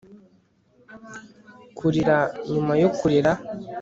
kurira nyuma yo kurira